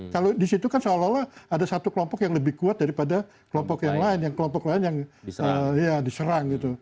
kalau di situ kan seolah olah ada satu kelompok yang lebih kuat daripada kelompok yang lain yang kelompok lain yang diserang gitu